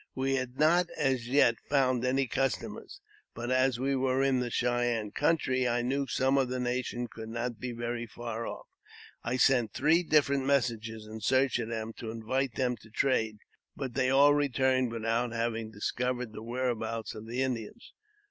We had not, as yet, found any customers ; but, as we were in the Cheyenne country, I knew some of that nation could not be very far off. I sent three different messengers in search •of them to invite them to trade, but they all returned without having discovered the whereabouts of the Indians.